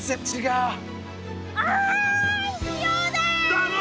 だろ？